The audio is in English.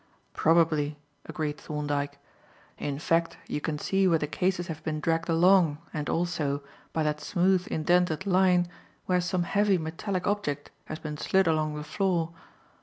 "Probably," agreed Thorndyke. "In fact, you can see where the cases have been dragged along, and also, by that smooth indented line, where some heavy metallic object has been slid along the floor.